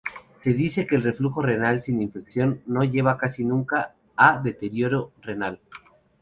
Se dice que el reflujo sin infección no lleva casi nunca a deterioro renal.